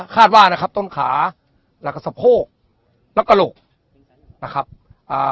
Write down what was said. คาดว่านะครับต้นขาแล้วก็สะโพกและกระโหลกนะครับอ่า